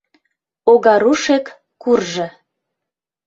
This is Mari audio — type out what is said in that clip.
Огарушек куржо.